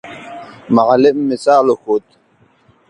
معلم مثال وښود.